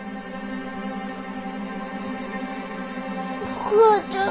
お母ちゃん。